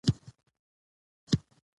اوبدنې د څرخ اختراع د لاس کار اسانه کړ.